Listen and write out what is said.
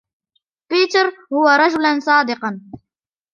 بيتر هو رجلاً صادقاً.